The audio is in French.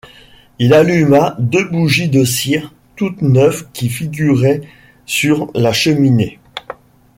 Il alluma deux bougies de cire toutes neuves qui figuraient sur la cheminée.